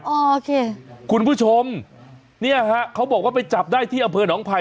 โอเคคุณผู้ชมเนี่ยฮะเขาบอกว่าไปจับได้ที่อำเภอหนองไผ่